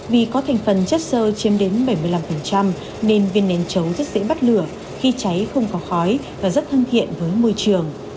vì có thành phần chất sơ chiếm đến bảy mươi năm nên viên nén chấu rất dễ bắt lửa khi cháy không có khói và rất thân thiện với môi trường